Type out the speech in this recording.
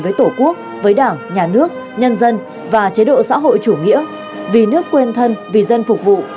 với tổ quốc với đảng nhà nước nhân dân và chế độ xã hội chủ nghĩa vì nước quên thân vì dân phục vụ